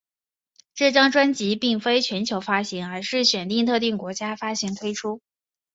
这张专辑并非全球发行而是选定特定国家发行推出。